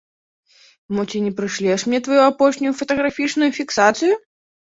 Мо ці не прышлеш мне тваю апошнюю фатаграфічную фіксацыю?